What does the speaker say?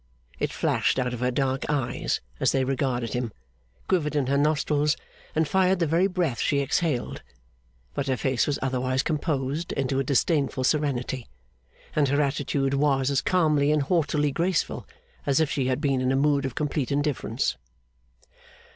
It flashed out of her dark eyes as they regarded him, quivered in her nostrils, and fired the very breath she exhaled; but her face was otherwise composed into a disdainful serenity; and her attitude was as calmly and haughtily graceful as if she had been in a mood of complete indifference.